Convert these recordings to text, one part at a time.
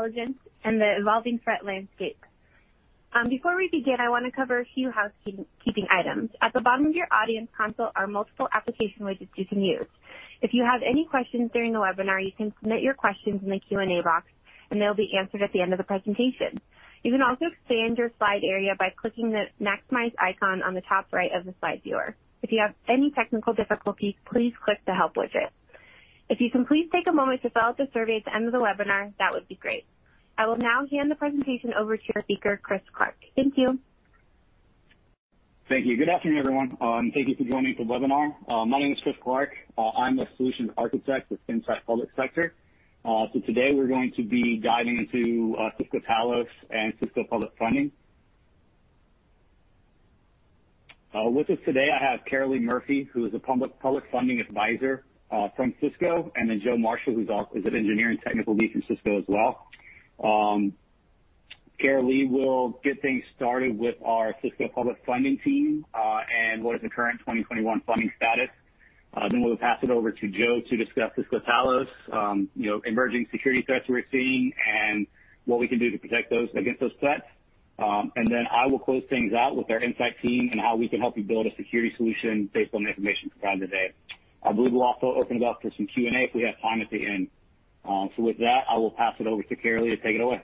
Webinar, Talos Threat Intelligence and the Evolving Threat Landscape. Before we begin, I want to cover a few housekeeping items. At the bottom of your audience console are multiple application widgets you can use. If you have any questions during the webinar, you can submit your questions in the Q&A box, and they'll be answered at the end of the presentation. You can also expand your slide area by clicking the maximize icon on the top right of the slide viewer. If you have any technical difficulties, please click the Help widget. If you can please take a moment to fill out the survey at the end of the webinar, that would be great. I will now hand the presentation over to our speaker, Chris Clark. Thank you. Thank you. Good afternoon, everyone. Thank you for joining the webinar. My name is Chris Clark. I'm a Solutions Architect with Insight Public Sector. Today we're going to be diving into Cisco Talos and Cisco Public Funding. With us today, I have Caralee Murphy, who is a public funding advisor from Cisco, and then Joe Marshall, who is an engineering technical lead from Cisco as well. Caralee will get things started with our Cisco Public Funding team and what is the current 2021 funding status. Then we'll pass it over to Joe to discuss Cisco Talos, you know, emerging security threats we're seeing and what we can do to protect against those threats. Then I will close things out with our Insight team and how we can help you build a security solution based on the information provided today. I believe we'll also open it up for some Q&A if we have time at the end. With that, I will pass it over to Caralee to take it away.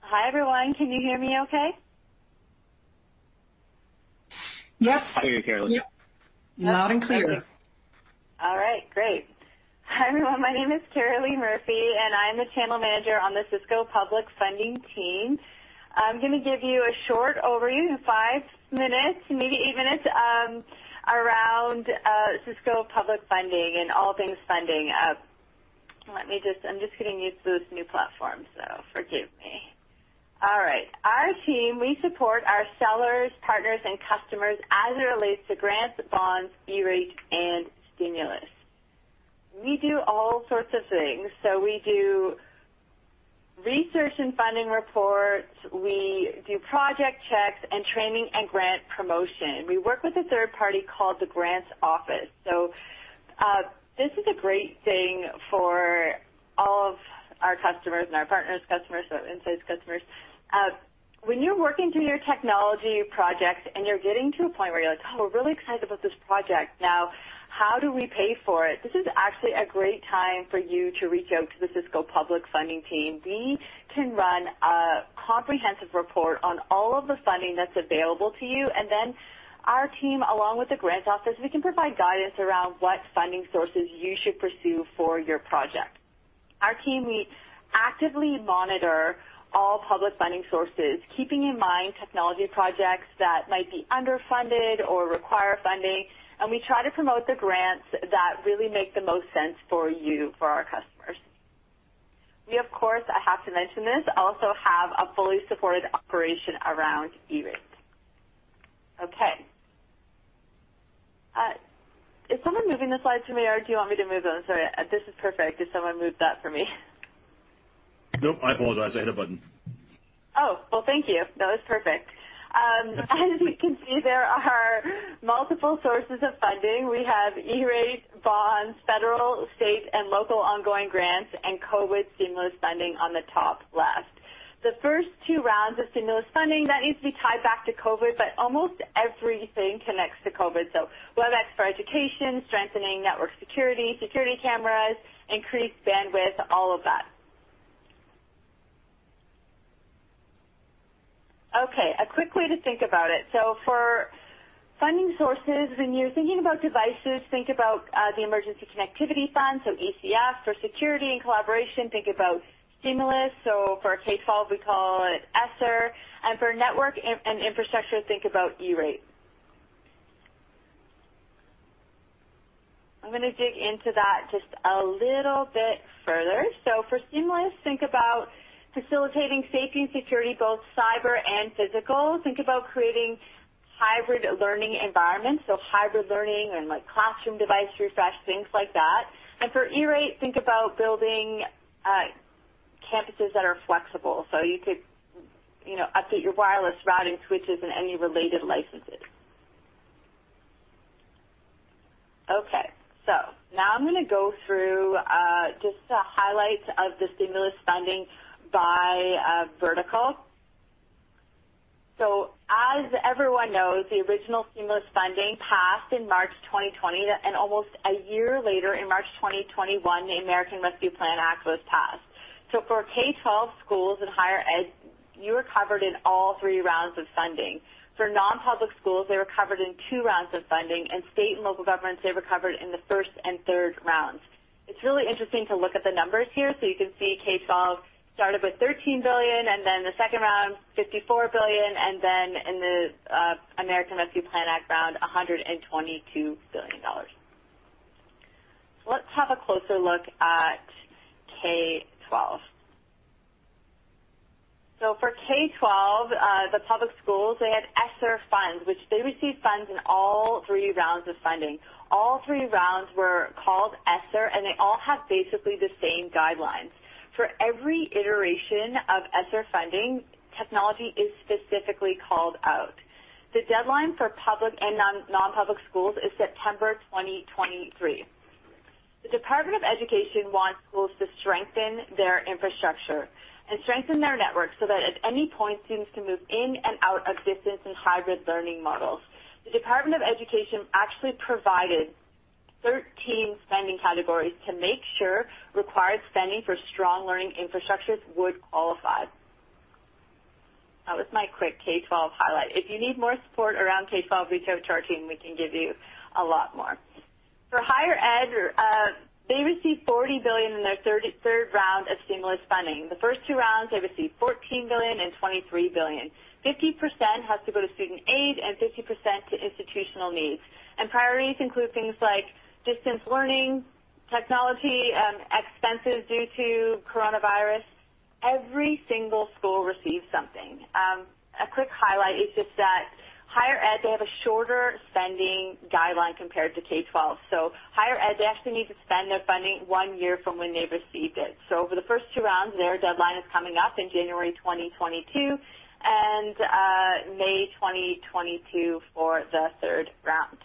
Hi, everyone. Can you hear me okay? Yes. Very clearly. Loud and clear. All right. Great. Hi, everyone. My name is Caralee Murphy, and I'm the channel manager on the Cisco Public Funding team. I'm going to give you a short overview, five minutes, maybe eight minutes, around Cisco public funding and all things funding. Let me just get used to this new platform, so forgive me. All right. Our team, we support our sellers, partners, and customers as it relates to grants, bonds, E-Rate, and stimulus. We do all sorts of things. We do research and funding reports, we do project checks and training and grant promotion. We work with a third party called The Grants Office. This is a great thing for all of our customers and our partners' customers, so Insight's customers. when you're working through your technology projects and you're getting to a point where you're like, "Oh, we're really excited about this project. Now, how do we pay for it?" This is actually a great time for you to reach out to the Cisco Public Funding team. We can run a comprehensive report on all of the funding that's available to you, and then our team, along with the Grants Office, we can provide guidance around what funding sources you should pursue for your project. Our team, we actively monitor all public funding sources, keeping in mind technology projects that might be underfunded or require funding, and we try to promote the grants that really make the most sense for you, for our customers. We, of course, I have to mention this, also have a fully supported operation around E-Rate. Okay. Is someone moving the slide to me, or do you want me to move them? Sorry. This is perfect if someone moved that for me. Nope. I apologize. I hit a button. Oh. Well, thank you. No, it's perfect. As you can see, there are multiple sources of funding. We have E-Rate, bonds, federal, state, and local ongoing grants, and COVID stimulus funding on the top left. The first two rounds of stimulus funding that needs to be tied back to COVID, but almost everything connects to COVID, whether that's for education, strengthening network security cameras, increased bandwidth, all of that. Okay, a quick way to think about it. For funding sources, when you're thinking about devices, think about the Emergency Connectivity Fund, so ECF. For security and collaboration, think about stimulus. For K-12, we call it ESSER. And for network and infrastructure, think about E-Rate. I'm going to dig into that just a little bit further. For stimulus, think about facilitating safety and security, both cyber and physical. Think about creating hybrid learning environments, so hybrid learning and, like, classroom device refresh, things like that. For E-Rate, think about building campuses that are flexible. You could, you know, update your wireless routing switches and any related licenses. Okay. Now I'm going to go through just the highlights of the stimulus funding by vertical. As everyone knows, the original stimulus funding passed in March 2020, and almost a year later, in March 2021, the American Rescue Plan Act was passed. For K-12 schools and higher ed, you were covered in all three rounds of funding. For non-public schools, they were covered in two rounds of funding. State and local governments, they were covered in the first and third rounds. It's really interesting to look at the numbers here. You can see K-12 started with $13 billion, and then the second round, $54 billion, and then in the American Rescue Plan Act round, $122 billion. Let's have a closer look at K-12. For K-12, the public schools, they had ESSER funds, which they received funds in all three rounds of funding. All three rounds were called ESSER, and they all have basically the same guidelines. For every iteration of ESSER funding, technology is specifically called out. The deadline for public and non-public schools is September 2023. The Department of Education wants schools to strengthen their infrastructure and strengthen their network so that at any point, students can move in and out of distance and hybrid learning models. The Department of Education actually provided 13 spending categories to make sure required spending for strong learning infrastructures would qualify. That was my quick K-12 highlight. If you need more support around K-12, reach out to our team, we can give you a lot more. For higher ed, they received $40 billion in their third round of stimulus funding. The first two rounds, they received $14 billion and $23 billion. 50% has to go to student aid and 50% to institutional needs. Priorities include things like distance learning, technology, expenses due to coronavirus. Every single school receives something. A quick highlight is just that higher ed, they have a shorter spending guideline compared to K-12. Higher ed, they actually need to spend their funding one year from when they received it. Over the first two rounds, their deadline is coming up in January 2022 and May 2022 for the third round.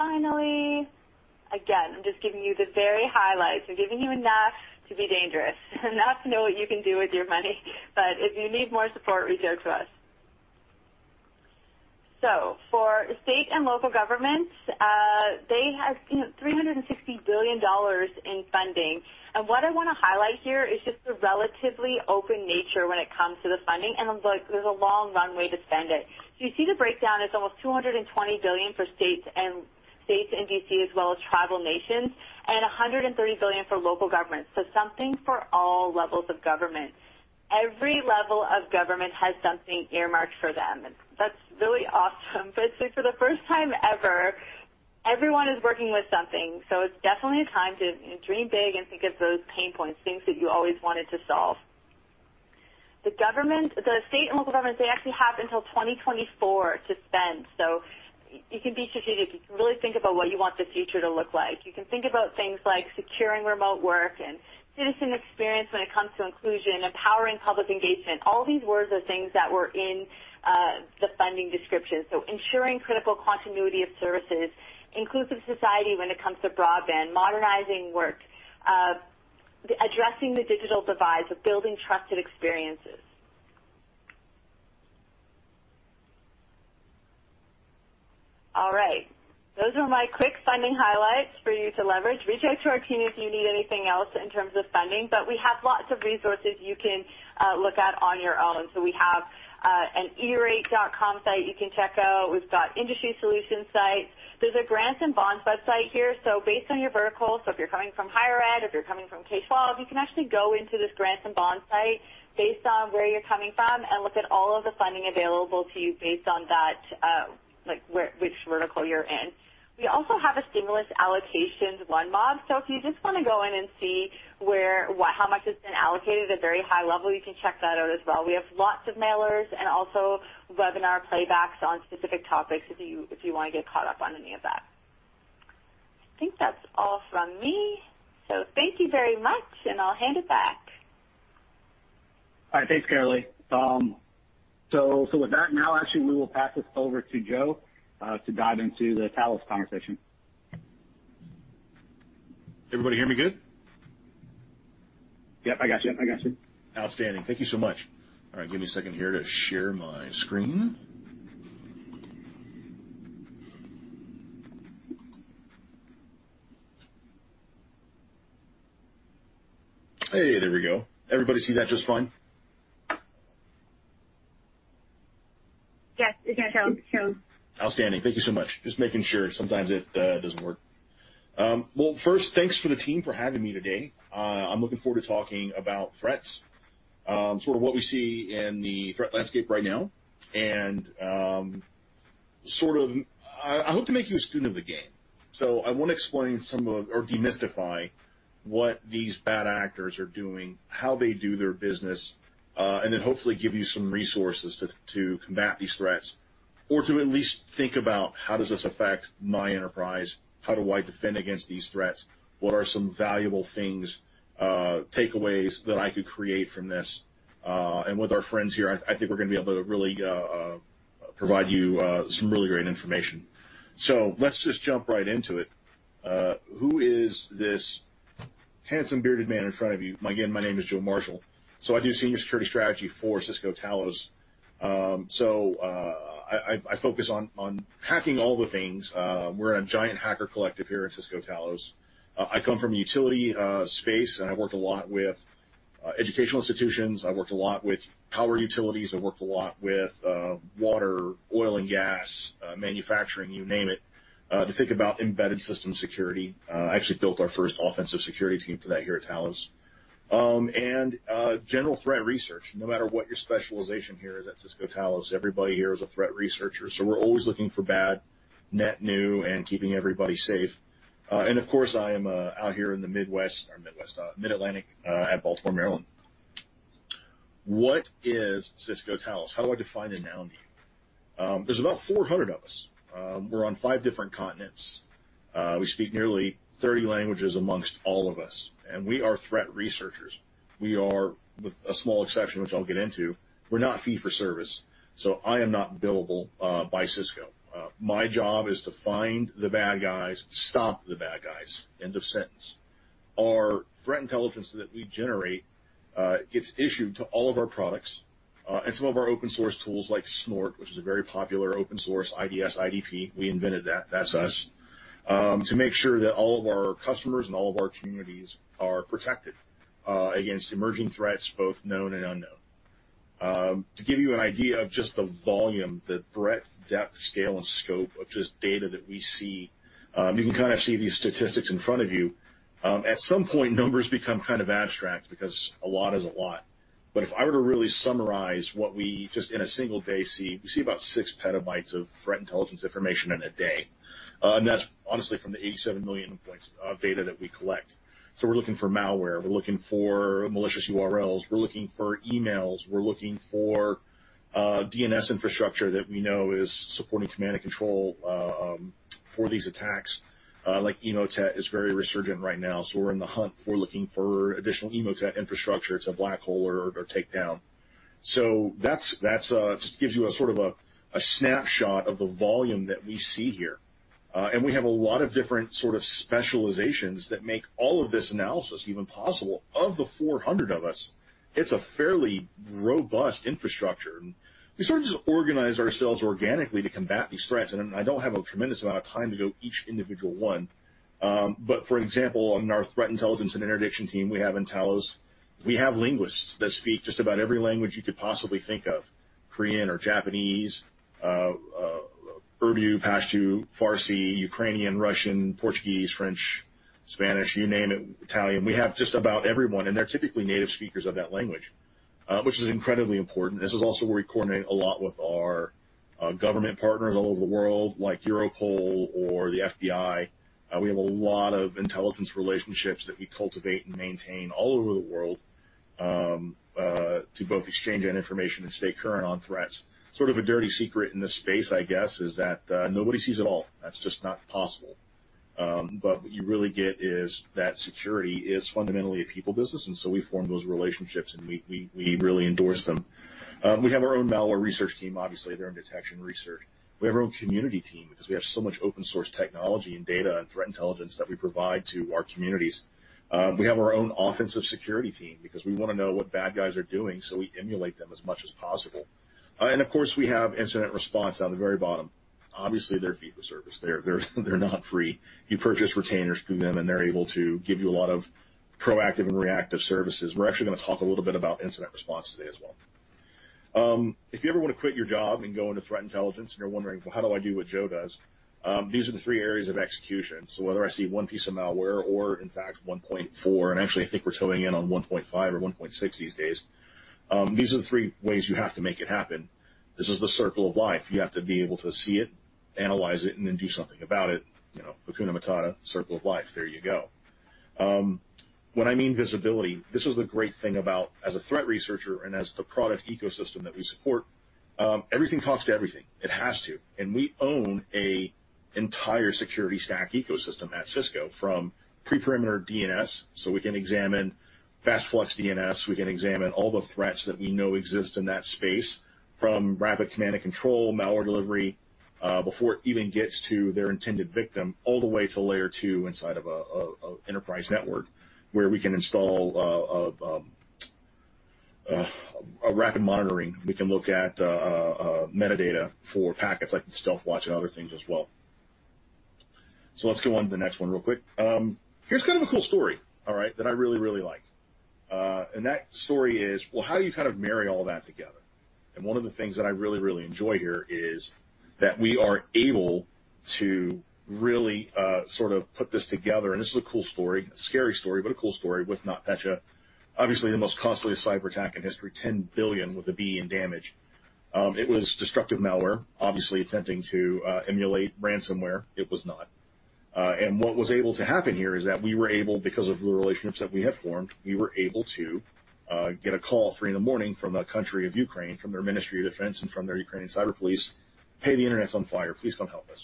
Finally, again, I'm just giving you the very highlights. I'm giving you enough to be dangerous, enough to know what you can do with your money. If you need more support, reach out to us. For state and local governments, they have seen $360 billion in funding. What I wanna highlight here is just the relatively open nature when it comes to the funding, and like there's a long runway to spend it. You see the breakdown, it's almost $220 billion for states and D.C. as well as tribal nations, and $130 billion for local governments. Something for all levels of government. Every level of government has something earmarked for them, and that's really awesome. It's like for the first time ever, everyone is working with something, so it's definitely a time to, you know, dream big and think of those pain points, things that you always wanted to solve. The state and local governments, they actually have until 2024 to spend. You can be strategic. You can really think about what you want the future to look like. You can think about things like securing remote work and citizen experience when it comes to inclusion, empowering public engagement. All these words are things that were in the funding description. Ensuring critical continuity of services, inclusive society when it comes to broadband, modernizing work, addressing the digital divide of building trusted experiences. All right, those are my quick funding highlights for you to leverage. Reach out to our team if you need anything else in terms of funding, but we have lots of resources you can look at on your own. We have an erate.com site you can check out. We've got industry solution sites. There's a grants and bonds website here. Based on your vertical, if you're coming from higher ed, if you're coming from K-12, you can actually go into this grants and bonds site based on where you're coming from and look at all of the funding available to you based on that, like, which vertical you're in. We also have a Stimulus Allocations OneMap. If you just wanna go in and see how much it's been allocated at a very high level, you can check that out as well. We have lots of mailers and also webinar playbacks on specific topics if you wanna get caught up on any of that. I think that's all from me. Thank you very much, and I'll hand it back. All right. Thanks, Caralee. With that, now actually we will pass this over to Joe, to dive into the Talos conversation. Everybody hear me good? Yep, I got you. Outstanding. Thank you so much. All right, give me a second here to share my screen. Hey, there we go. Everybody see that just fine? Yes. It's gonna show. Outstanding. Thank you so much. Just making sure. Sometimes it doesn't work. Well, first, thanks to the team for having me today. I'm looking forward to talking about threats, sort of what we see in the threat landscape right now. I hope to make you a student of the game. I wanna explain some of or demystify what these bad actors are doing, how they do their business, and then hopefully give you some resources to combat these threats or to at least think about how does this affect my enterprise? How do I defend against these threats? What are some valuable things, takeaways that I could create from this? With our friends here, I think we're gonna be able to really provide you some really great information. Let's just jump right into it. Who is this handsome, bearded man in front of you? Again, my name is Joe Marshall. I do senior security strategy for Cisco Talos. I focus on hacking all the things. We're a giant hacker collective here at Cisco Talos. I come from utility space, and I've worked a lot with educational institutions. I've worked a lot with power utilities. I've worked a lot with water, oil and gas, manufacturing, you name it, to think about embedded system security. I actually built our first offensive security team for that here at Talos and general threat research. No matter what your specialization here is at Cisco Talos, everybody here is a threat researcher, so we're always looking for bad, net new and keeping everybody safe. Of course, I am out here in the Mid-Atlantic at Baltimore, Maryland. What is Cisco Talos? How do I define and noun it? There's about 400 of us. We're on five different continents. We speak nearly 30 languages among all of us, and we are threat researchers. We are, with a small exception which I'll get into, we're not fee for service, so I am not billable by Cisco. My job is to find the bad guys, stop the bad guys. End of sentence. Our threat intelligence that we generate gets issued to all of our products and some of our open source tools like Snort, which is a very popular open source IDS/IPS. We invented that. That's us. To make sure that all of our customers and all of our communities are protected against emerging threats, both known and unknown. To give you an idea of just the volume, the breadth, depth, scale, and scope of just data that we see, you can kinda see these statistics in front of you. At some point, numbers become kind of abstract because a lot is a lot. If I were to really summarize what we just in a single day see, we see about 6PB of threat intelligence information in a day. That's honestly from the 87 million endpoints of data that we collect. We're looking for malware, we're looking for malicious URLs, we're looking for emails, we're looking for DNS infrastructure that we know is supporting command and control for these attacks. Like Emotet is very resurgent right now, so we're in the hunt. We're looking for additional Emotet infrastructure to black hole or take down. So that's just gives you a sort of a snapshot of the volume that we see here. And we have a lot of different sort of specializations that make all of this analysis even possible. Of the 400 of us, it's a fairly robust infrastructure. We sort of just organize ourselves organically to combat these threats. I don't have a tremendous amount of time to go each individual one. But for example, on our threat intelligence and interdiction team, we have intels. We have linguists that speak just about every language you could possibly think of, Korean or Japanese, Urdu, Pashto, Farsi, Ukrainian, Russian, Portuguese, French, Spanish, you name it, Italian. We have just about everyone, and they're typically native speakers of that language, which is incredibly important. This is also where we coordinate a lot with our government partners all over the world, like Europol or the FBI. We have a lot of intelligence relationships that we cultivate and maintain all over the world, to both exchange that information and stay current on threats. Sort of a dirty secret in this space, I guess, is that nobody sees it all. That's just not possible. What you really get is that security is fundamentally a people business, and so we form those relationships, and we really endorse them. We have our own malware research team, obviously. They're in detection research. We have our own community team because we have so much open source technology and data and threat intelligence that we provide to our communities. We have our own offensive security team because we wanna know what bad guys are doing, so we emulate them as much as possible. And of course, we have incident response at the very bottom. Obviously, they're fee for service. They're not free. You purchase retainers through them, and they're able to give you a lot of proactive and reactive services. We're actually gonna talk a little bit about incident response today as well. If you ever wanna quit your job and go into threat intelligence, and you're wondering, "Well, how do I do what Joe does?" These are the three areas of execution. Whether I see 1 piece of malware or in fact 1.4, and actually I think we're towing in on 1.5 or 1.6 these days, these are the three ways you have to make it happen. This is the circle of life. You have to be able to see it, analyze it, and then do something about it. You know, Hakuna Matata, circle of life. There you go. When I mean visibility, this is the great thing about as a threat researcher and as the product ecosystem that we support, everything talks to everything. It has to. We own an entire security stack ecosystem at Cisco, from pre-perimeter DNS, so we can examine Fast Flux DNS, we can examine all the threats that we know exist in that space, from rapid command and control, malware delivery, before it even gets to their intended victim, all the way to layer two inside of an enterprise network where we can install a rapid monitoring. We can look at metadata for packets like Stealthwatch and other things as well. Let's go on to the next one real quick. Here's kind of a cool story, all right, that I really, really like. That story is, well, how do you kind of marry all that together? One of the things that I really enjoy here is that we are able to really sort of put this together, and this is a cool story, a scary story, but a cool story with NotPetya. Obviously, the most costliest cyber attack in history, $10 billion in damage. It was destructive malware, obviously attempting to emulate ransomware. It was not. What was able to happen here is that we were able, because of the relationships that we had formed, we were able to get a call 3:00 A.M. from Ukraine, from their Ministry of Defense and from their Ukrainian Cyber Police, "Hey, the internet's on fire. Please come help us."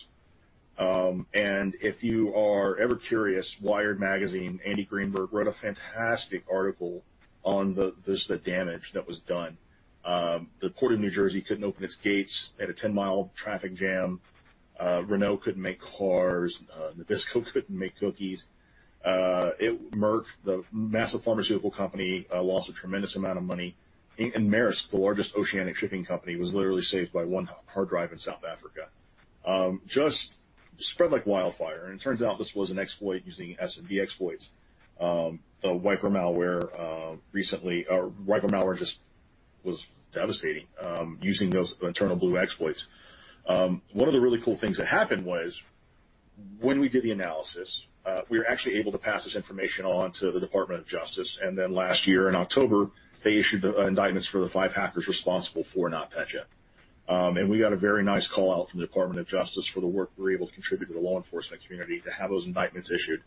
If you are ever curious, Wired magazine, Andy Greenberg wrote a fantastic article on the damage that was done. The Port of New Jersey couldn't open its gates. They had a 10-mile traffic jam. Renault couldn't make cars. Nabisco couldn't make cookies. Merck, the massive pharmaceutical company, lost a tremendous amount of money. Maersk, the largest oceanic shipping company, was literally saved by one hard drive in South Africa. It just spread like wildfire, and it turns out this was an exploit using SMB exploits. The wiper malware, recently, or wiper malware just was devastating, using those EternalBlue exploits. One of the really cool things that happened was when we did the analysis, we were actually able to pass this information on to the Department of Justice, and then last year in October, they issued the indictments for the five hackers responsible for NotPetya. We got a very nice call-out from the Department of Justice for the work we were able to contribute to the law enforcement community to have those indictments issued.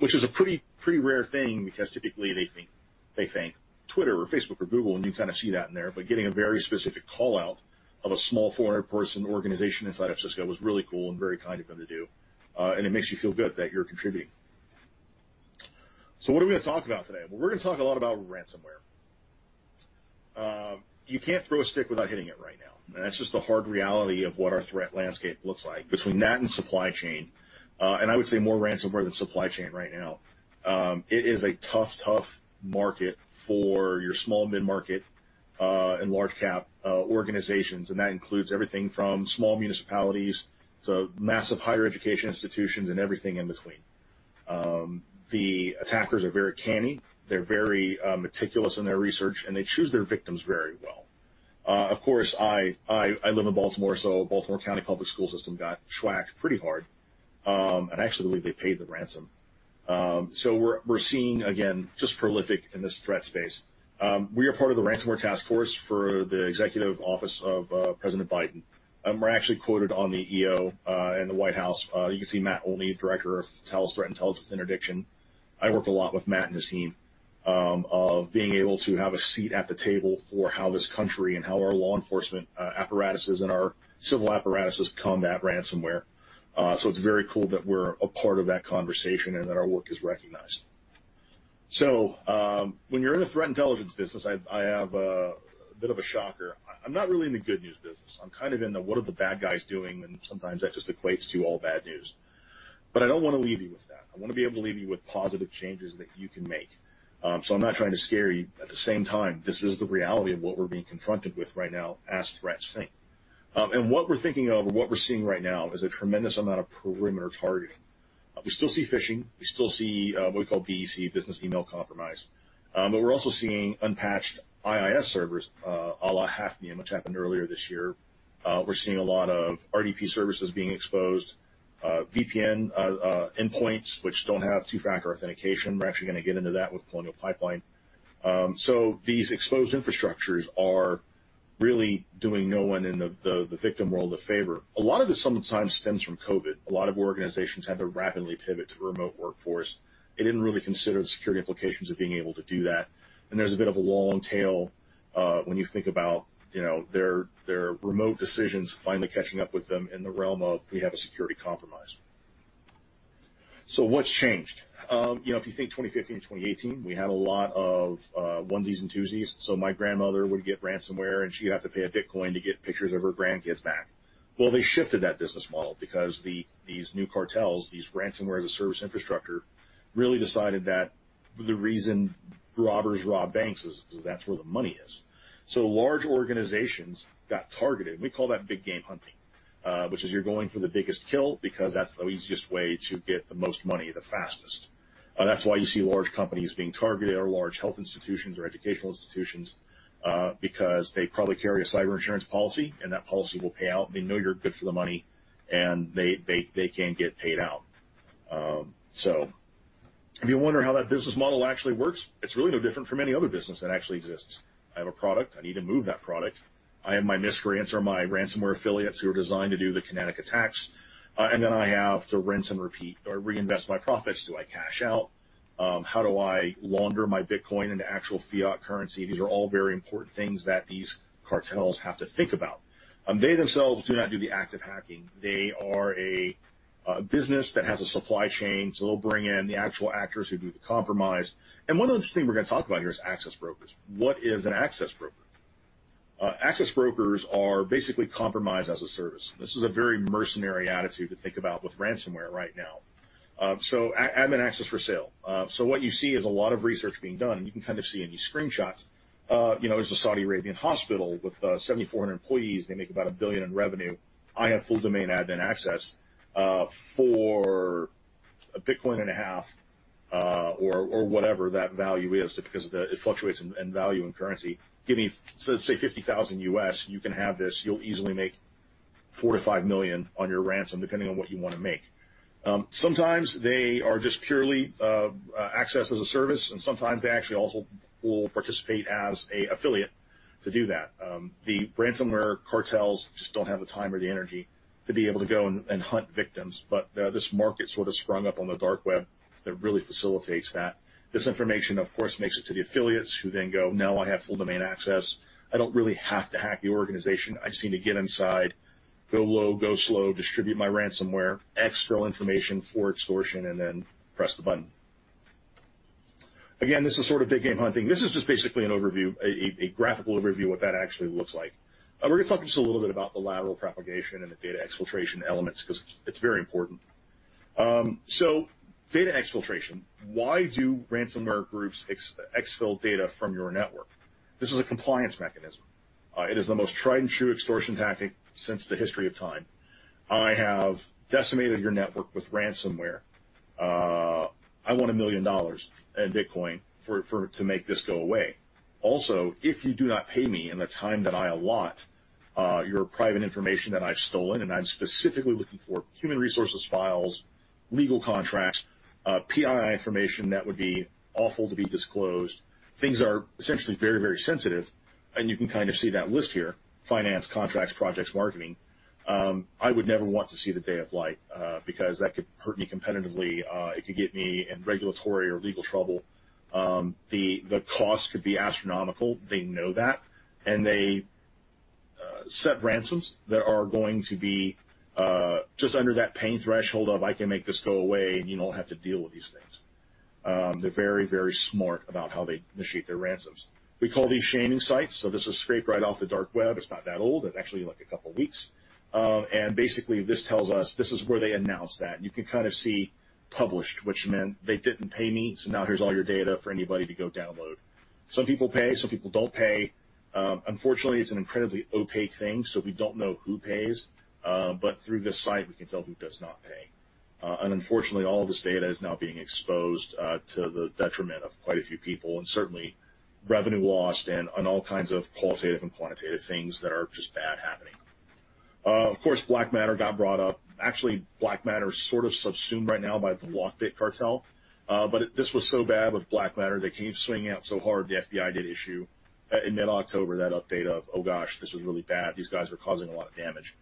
Which is a pretty rare thing because typically they thank Twitter or Facebook or Google, and you kind of see that in there. But getting a very specific call-out of a small 400-person organization inside of Cisco was really cool and very kind of them to do, and it makes you feel good that you're contributing. What are we gonna talk about today? Well, we're gonna talk a lot about ransomware. You can't throw a stick without hitting it right now. That's just the hard reality of what our threat landscape looks like. Between that and supply chain, and I would say more ransomware than supply chain right now, it is a tough market for your small mid-market, and large cap, organizations. That includes everything from small municipalities to massive higher education institutions and everything in between. The attackers are very canny, they're very meticulous in their research, and they choose their victims very well. Of course, I live in Baltimore, so Baltimore County Public Schools got whacked pretty hard, and actually, I believe they paid the ransom. We're seeing again, just prolific in this threat space. We are part of the ransomware task force for the Executive Office of President Biden. We're actually quoted on the EO, and the White House. You can see Matt Olney, Director of Talos Threat Intelligence and Interdiction. I work a lot with Matt and his team of being able to have a seat at the table for how this country and how our law enforcement apparatuses and our civil apparatuses combat ransomware. It's very cool that we're a part of that conversation and that our work is recognized. When you're in the threat intelligence business, I have a bit of a shocker. I'm not really in the good news business. I'm kind of in the what are the bad guys doing, and sometimes that just equates to all bad news. I don't wanna leave you with that. I wanna be able to leave you with positive changes that you can make. I'm not trying to scare you. At the same time, this is the reality of what we're being confronted with right now as threats think. What we're thinking of and what we're seeing right now is a tremendous amount of perimeter targeting. We still see phishing, what we call BEC, business email compromise, but we're also seeing unpatched IIS servers, à la Hafnium, which happened earlier this year. We're seeing a lot of RDP services being exposed, VPN endpoints which don't have two-factor authentication. We're actually gonna get into that with Colonial Pipeline. These exposed infrastructures are really doing no one in the victim world a favor. A lot of this sometimes stems from COVID. A lot of organizations had to rapidly pivot to a remote workforce. They didn't really consider the security implications of being able to do that. There's a bit of a long tail when you think about, you know, their remote decisions finally catching up with them in the realm of, we have a security compromise. What's changed? You know, if you think 2015 to 2018, we had a lot of onesies and twosies. My grandmother would get ransomware, and she'd have to pay a bitcoin to get pictures of her grandkids back. Well, they shifted that business model because these new cartels, these Ransomware-as-a-Service infrastructure, really decided that the reason robbers rob banks is that's where the money is. Large organizations got targeted. We call that big game hunting, which is you're going for the biggest kill because that's the easiest way to get the most money the fastest. That's why you see large companies being targeted or large health institutions or educational institutions, because they probably carry a cyber insurance policy, and that policy will pay out. They know you're good for the money, and they can get paid out. If you wonder how that business model actually works, it's really no different from any other business that actually exists. I have a product, I need to move that product. I have my miscreants or my ransomware affiliates who are designed to do the kinetic attacks, and then I have to rinse and repeat or reinvest my profits. Do I cash out? How do I launder my bitcoin into actual fiat currency? These are all very important things that these cartels have to think about. They themselves do not do the active hacking. They are a business that has a supply chain, so they'll bring in the actual actors who do the compromise. One other thing we're gonna talk about here is access brokers. What is an access broker? Access brokers are basically compromise-as-a-service. This is a very mercenary attitude to think about with ransomware right now. Admin access for sale. What you see is a lot of research being done, and you can kind of see in these screenshots. You know, there's a Saudi Arabian hospital with 7,400 employees. They make about $1 billion in revenue. I have full domain admin access for 1.5 bitcoin or whatever that value is because it fluctuates in value and currency. Give me, let's say $50,000, you can have this. You'll easily make $4 million to $5 million on your ransom, depending on what you wanna make. Sometimes they are just purely access as a service, and sometimes they actually also will participate as a affiliate to do that. The ransomware cartels just don't have the time or the energy to be able to go and hunt victims. This market sort of sprung up on the dark web that really facilitates that. This information, of course, makes it to the affiliates who then go, "Now I have full domain access. I don't really have to hack the organization. I just need to get inside, go low, go slow, distribute my ransomware, exfil information for extortion, and then press the button." Again, this is sort of big game hunting. This is just basically an overview, graphical overview of what that actually looks like. We're gonna talk just a little bit about the lateral propagation and the data exfiltration elements 'cause it's very important. Data exfiltration. Why do ransomware groups exfil data from your network? This is a compliance mechanism. It is the most tried-and-true extortion tactic since the history of time. I have decimated your network with ransomware. I want $1 million in bitcoin for to make this go away. Also, if you do not pay me in the time that I allot, your private information that I've stolen, and I'm specifically looking for human resources files, legal contracts, PII information that would be awful to be disclosed. Things are essentially very, very sensitive, and you can kind of see that list here: finance, contracts, projects, marketing. I would never want to see the light of day, because that could hurt me competitively. It could get me in regulatory or legal trouble. The cost could be astronomical. They know that, and they set ransoms that are going to be just under that pain threshold of I can make this go away, and you don't have to deal with these things. They're very, very smart about how they initiate their ransoms. We call these shaming sites. This is scraped right off the dark web. It's not that old. It's actually, like, a couple weeks. Basically, this tells us this is where they announce that. You can kind of see published, which meant they didn't pay me, so now here's all your data for anybody to go download. Some people pay, some people don't pay. Unfortunately, it's an incredibly opaque thing, so we don't know who pays. But through this site, we can tell who does not pay. Unfortunately, all this data is now being exposed to the detriment of quite a few people, and certainly revenue lost and all kinds of qualitative and quantitative things that are just bad happening. Of course, BlackMatter got brought up. Actually, BlackMatter is sort of subsumed right now by the LockBit cartel, but this was so bad with BlackMatter, they came swinging out so hard, the FBI did issue in mid-October that update of, "Oh, gosh, this was really bad. These guys are causing a lot of damage.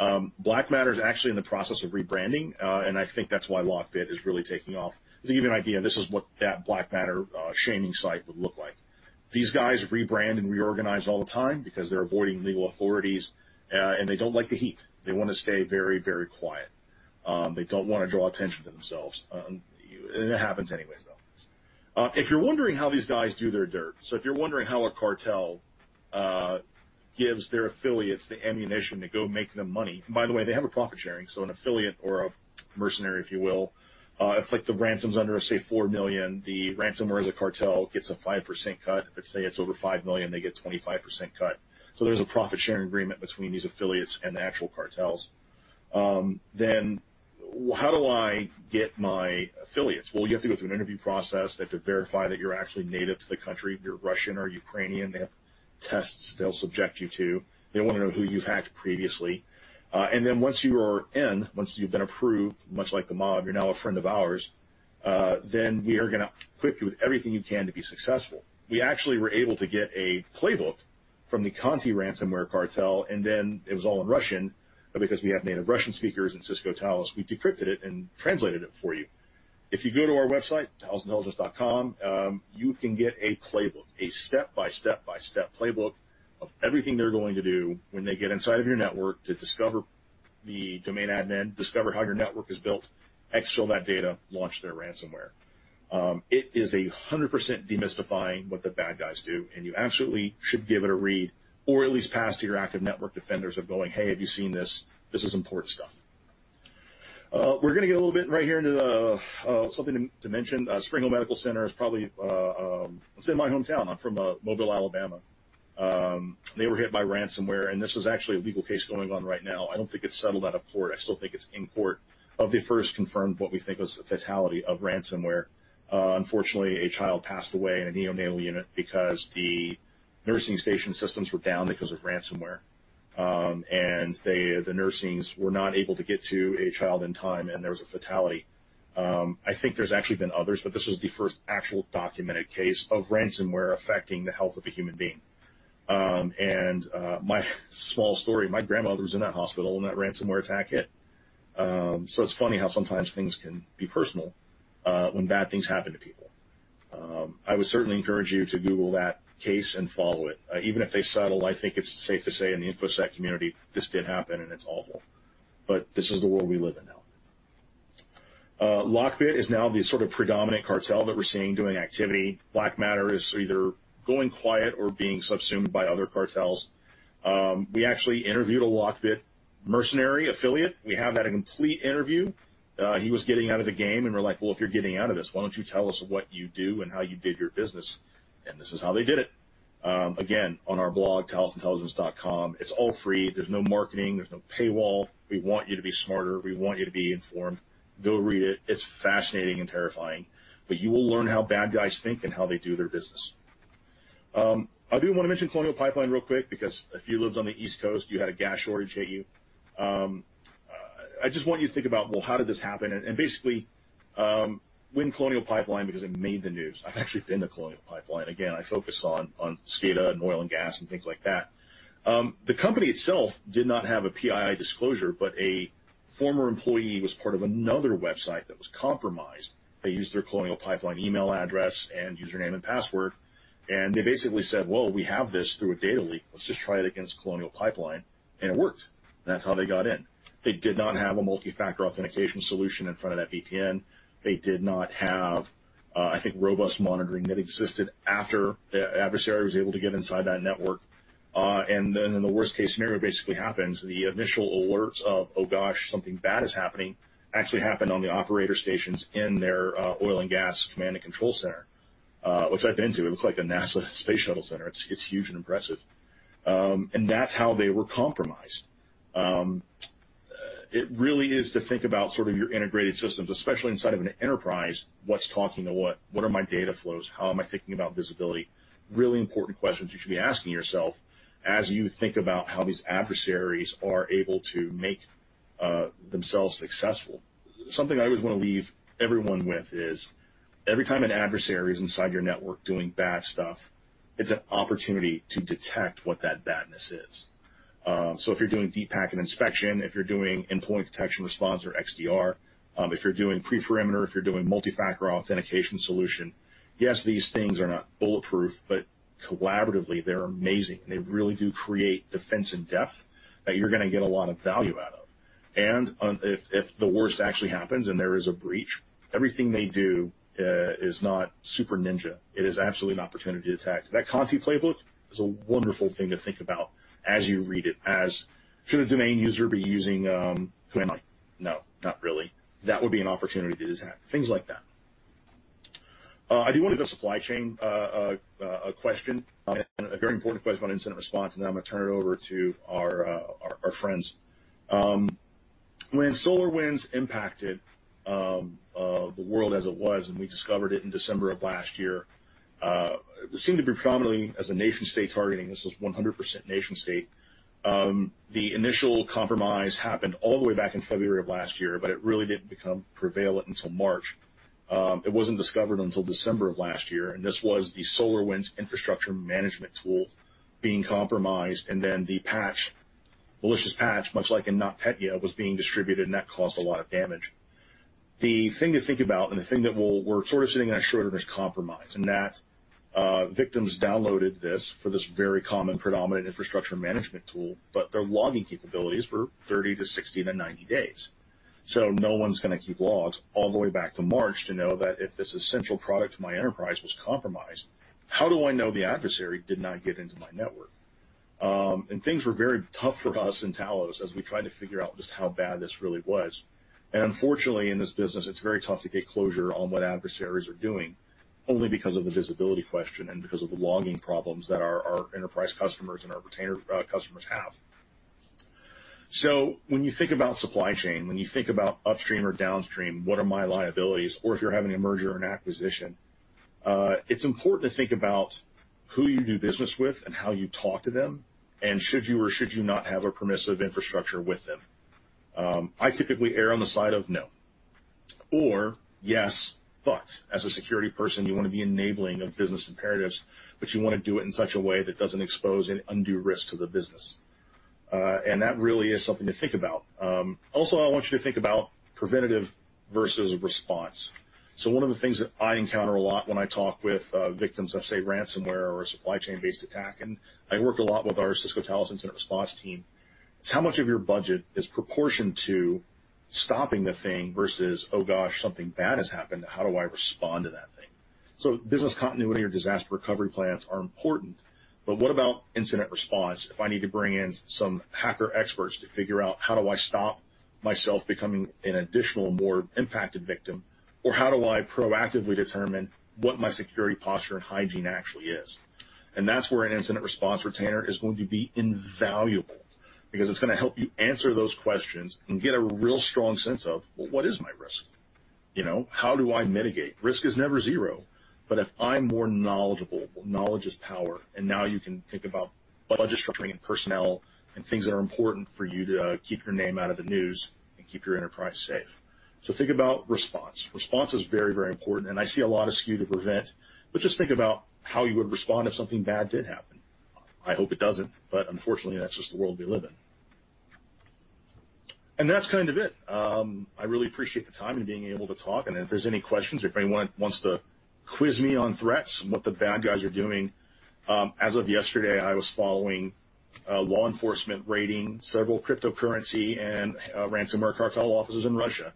BlackMatter is actually in the process of rebranding, and I think that's why LockBit is really taking off. To give you an idea, this is what that BlackMatter shaming site would look like. These guys rebrand and reorganize all the time because they're avoiding legal authorities, and they don't like the heat. They wanna stay very, very quiet. They don't wanna draw attention to themselves. It happens anyway, though. If you're wondering how a cartel gives their affiliates the ammunition to go make them money. By the way, they have a profit-sharing, so an affiliate or a mercenary, if you will, if, like, the ransom's under, say, $4 million, the Ransomware-as-a-Service cartel gets a 5% cut. If say it's over 5 million, they get 25% cut. There's a profit-sharing agreement between these affiliates and the actual cartels. How do I get my affiliates? Well, you have to go through an interview process. They have to verify that you're actually native to the country, you're Russian or Ukrainian. They have tests they'll subject you to. They wanna know who you've hacked previously. Once you are in, once you've been approved, much like the mob, you're now a friend of ours, then we are gonna equip you with everything you can to be successful. We actually were able to get a playbook from the Conti ransomware cartel, and then it was all in Russian. Because we have native Russian speakers in Cisco Talos, we decrypted it and translated it for you. If you go to our website, talosintelligence.com, you can get a playbook, a step-by-step playbook of everything they're going to do when they get inside of your network to discover the domain admin, discover how your network is built, exfil that data, launch their ransomware. It is 100% demystifying what the bad guys do, and you absolutely should give it a read or at least pass to your active network defenders of going, "Hey, have you seen this? This is important stuff." We're gonna get a little bit right here into the something to mention. Springhill Medical Center is probably, it's in my hometown. I'm from Mobile, Alabama. They were hit by ransomware, and this is actually a legal case going on right now. I don't think it's settled out of court. I still think it's in court, the first confirmed what we think was the fatality of ransomware. Unfortunately, a child passed away in a neonatal unit because the nursing station systems were down because of ransomware. They, the nurses were not able to get to a child in time, and there was a fatality. I think there's actually been others, but this was the first actual documented case of ransomware affecting the health of a human being. My small story, my grandmother was in that hospital when that ransomware attack hit. It's funny how sometimes things can be personal when bad things happen to people. I would certainly encourage you to Google that case and follow it. Even if they settle, I think it's safe to say in the InfoSec community this did happen, and it's awful, but this is the world we live in now. LockBit is now the sort of predominant cartel that we're seeing doing activity. BlackMatter is either going quiet or being subsumed by other cartels. We actually interviewed a LockBit mercenary affiliate. We have that complete interview. He was getting out of the game, and we're like, "Well, if you're getting out of this, why don't you tell us what you do and how you did your business?" This is how they did it. Again, on our blog, talosintelligence.com, it's all free. There's no marketing. There's no paywall. We want you to be smarter. We want you to be informed. Go read it. It's fascinating and terrifying, but you will learn how bad guys think and how they do their business. I do wanna mention Colonial Pipeline real quick because if you lived on the East Coast, you had a gas shortage hit you. I just want you to think about, well, how did this happen? Basically, when Colonial Pipeline, because it made the news. I've actually been to Colonial Pipeline. Again, I focus on SCADA and oil and gas and things like that. The company itself did not have a PII disclosure, but a former employee was part of another website that was compromised. They used their Colonial Pipeline email address and username and password, and they basically said, "Well, we have this through a data leak. Let's just try it against Colonial Pipeline." It worked. That's how they got in. They did not have a multi-factor authentication solution in front of that VPN. They did not have, I think, robust monitoring that existed after the adversary was able to get inside that network. The worst-case scenario basically happens. The initial alerts of, something bad is happening, actually happened on the operator stations in their oil and gas command and control center, which I've been to. It looks like a NASA space shuttle center. It's huge and impressive. That's how they were compromised. It really is to think about sort of your integrated systems, especially inside of an enterprise, what's talking to what are my data flows, how am I thinking about visibility. Really important questions you should be asking yourself as you think about how these adversaries are able to make themselves successful. Something I always wanna leave everyone with is every time an adversary is inside your network doing bad stuff, it's an opportunity to detect what that badness is. If you're doing deep packet inspection, if you're doing endpoint detection response or XDR, if you're doing pre-perimeter, if you're doing multi-factor authentication solution, yes, these things are not bulletproof, but collaboratively, they're amazing. They really do create defense in depth that you're gonna get a lot of value out of. If the worst actually happens and there is a breach, everything they do is not super ninja. It is absolutely an opportunity to attack. That Conti playbook is a wonderful thing to think about as you read it, as should a domain user be using Who am I? No, not really. That would be an opportunity to attack, things like that. I do wanna go supply chain question, and a very important question on incident response, and then I'm gonna turn it over to our friends. When SolarWinds impacted the world as it was, and we discovered it in December of last year, it seemed to be prominently as a nation-state targeting. This was 100% nation state. The initial compromise happened all the way back in February of last year, but it really didn't become prevalent until March. It wasn't discovered until December of last year, and this was the SolarWinds infrastructure management tool being compromised, and then the patch, malicious patch, much like in NotPetya, was being distributed, and that caused a lot of damage. The thing to think about, and the thing that we're sort of sitting in a short-term is compromise and that victims downloaded this for this very common predominant infrastructure management tool, but their logging capabilities were 30-60-90 days. No one's gonna keep logs all the way back to March to know that if this essential product to my enterprise was compromised, how do I know the adversary did not get into my network? Things were very tough for us in Talos as we tried to figure out just how bad this really was. Unfortunately, in this business, it's very tough to get closure on what adversaries are doing, only because of the visibility question and because of the logging problems that our enterprise customers and our retainer customers have. When you think about supply chain, when you think about upstream or downstream, what are my liabilities? Or if you're having a merger and acquisition, it's important to think about who you do business with and how you talk to them, and should you or should you not have a permissive infrastructure with them. I typically err on the side of no or yes, but as a security person, you wanna be enabling of business imperatives, but you wanna do it in such a way that doesn't expose an undue risk to the business. That really is something to think about. Also, I want you to think about preventative versus response. One of the things that I encounter a lot when I talk with victims of, say, ransomware or a supply chain-based attack, and I work a lot with our Cisco Talos Incident Response team, is how much of your budget is proportioned to stopping the thing versus, "Oh, gosh, something bad has happened. How do I respond to that thing?" Business continuity or disaster recovery plans are important, but what about incident response if I need to bring in some hacker experts to figure out how do I stop myself becoming an additional, more impacted victim? Or how do I proactively determine what my security posture and hygiene actually is? That's where an incident response retainer is going to be invaluable because it's gonna help you answer those questions and get a real strong sense of, well, what is my risk? You know, how do I mitigate? Risk is never zero. But if I'm more knowledgeable, well, knowledge is power, and now you can think about budget structuring and personnel and things that are important for you to keep your name out of the news and keep your enterprise safe. Think about response. Response is very, very important, and I see a lot of skew to prevent. Just think about how you would respond if something bad did happen. I hope it doesn't, but unfortunately, that's just the world we live in. That's kind of it. I really appreciate the time and being able to talk. If there's any questions or if anyone wants to quiz me on threats and what the bad guys are doing, as of yesterday, I was following law enforcement raiding several cryptocurrency and ransomware cartel offices in Russia.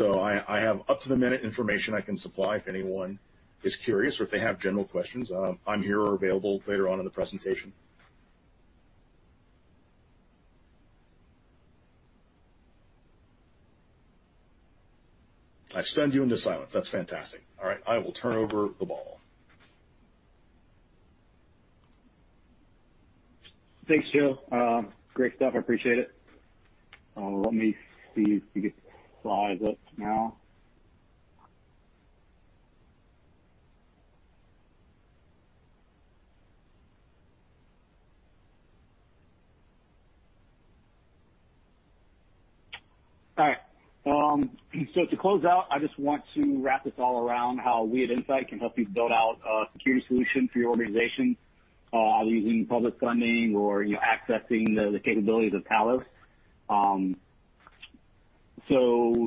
I have up-to-the-minute information I can supply if anyone is curious or if they have general questions. I'm here or available later on in the presentation. I send you into silence. That's fantastic. All right, I will turn over the ball. Thanks, Joe. Great stuff. I appreciate it. Let me see if we get the slides up now. All right. To close out, I just want to wrap this all around how we at Insight can help you build out a security solution for your organization, using public funding or, you know, accessing the capabilities of Talos.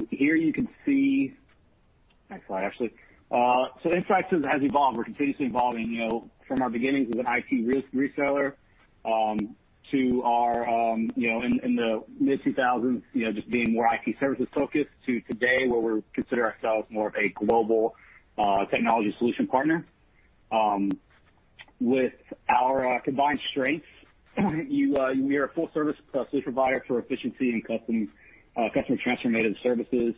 Here you can see. Next slide, actually. Insight has evolved. We're continuously evolving, you know, from our beginnings as an IT risk reseller to, you know, in the mid-2000s, you know, just being more IT services-focused to today, where we consider ourselves more of a global technology solution partner. With our combined strengths, we are a full-service solution provider for efficiency and customer transformative services.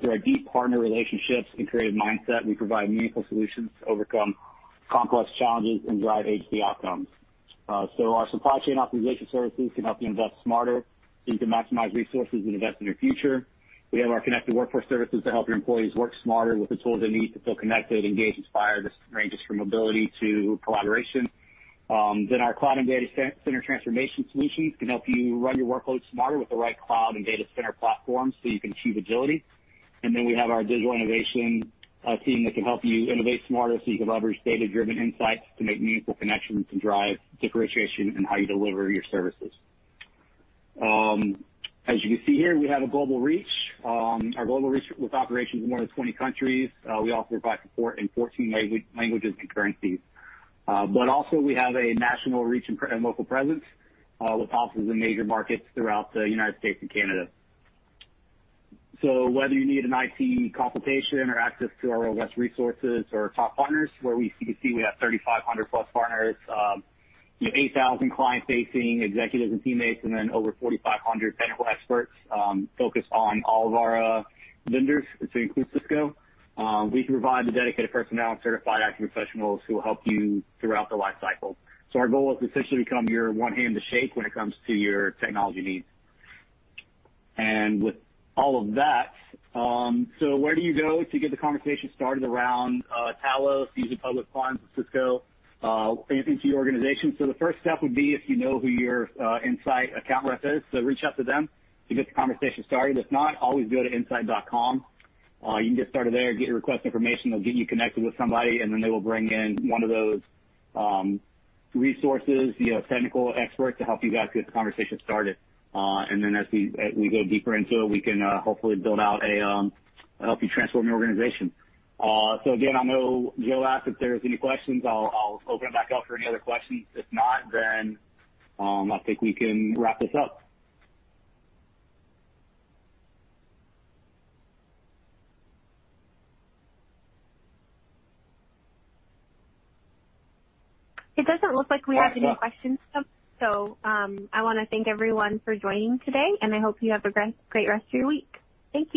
Through our deep partner relationships and creative mindset, we provide meaningful solutions to overcome complex challenges and drive IT outcomes. Our supply chain optimization services can help you invest smarter, so you can maximize resources and invest in your future. We have our connected workforce services to help your employees work smarter with the tools they need to feel connected, engaged, inspired. This ranges from mobility to collaboration. Our cloud and data center transformation solutions can help you run your workload smarter with the right cloud and data center platform so you can achieve agility. We have our digital innovation team that can help you innovate smarter so you can leverage data-driven insights to make meaningful connections and drive differentiation in how you deliver your services. As you can see here, we have a global reach. Our global reach with operations in more than 20 countries. We also provide support in 14 languages and currencies. We have a national reach and local presence, with offices in major markets throughout the United States and Canada. Whether you need an IT consultation or access to our OS resources or top partners, we have 3,500+ partners, you know, 8,000 client-facing executives and teammates, and then over 4,500 technical experts, focused on all of our vendors, which includes Cisco. We can provide the dedicated personnel and certified IT professionals who will help you throughout the lifecycle. Our goal is to essentially become your one hand to shake when it comes to your technology needs. With all of that, where do you go to get the conversation started around Talos using public funds with Cisco into your organization? The first step would be if you know who your Insight account rep is, so reach out to them to get the conversation started. If not, always go to insight.com. You can get started there, get your request information. They'll get you connected with somebody, and then they will bring in one of those resources, you know, technical experts to help you guys get the conversation started. As we go deeper into it, we can hopefully build out a help you transform your organization. Again, I know Joe Marshall asked if there's any questions. I'll open it back up for any other questions. If not, then, I think we can wrap this up. It doesn't look like we have any questions. I wanna thank everyone for joining today, and I hope you have a great rest of your week. Thank you.